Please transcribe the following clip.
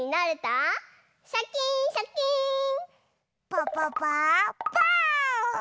ぽぽぽぽぅ！